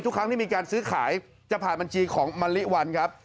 ทุกครั้งที่มีการซื้อขายจะผ่านบัญชีของมะลิวันครับ